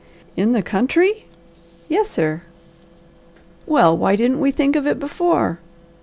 "In the country?" "Yes sir!" "Well why didn't we think of it before?"